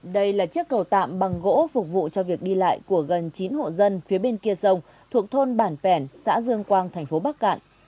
đây là chiếc cầu tạm bằng gỗ phục vụ cho việc đi lại của gần chín hộ dân phía bên kia sông thuộc thôn bản pẻn xã dương quang thành phố bắc cạn